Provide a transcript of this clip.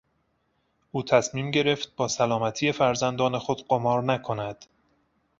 او تصمیم گرفت با سلامتی فرزندان خود قمار نکند.